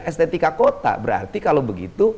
estetika kota berarti kalau begitu